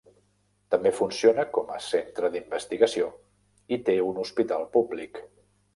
També funciona com a centre d'investigació i té un hospital públic.